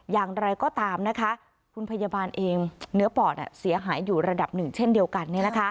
อย่างไรก็ตามนะคะคุณพยาบาลเองเนื้อปอดเสียหายอยู่ระดับหนึ่งเช่นเดียวกัน